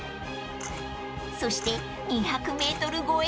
［そして２００ｍ超え］